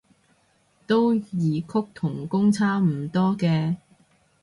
都異曲同工差唔多嘅